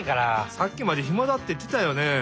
さっきまで「ひまだ」っていってたよね。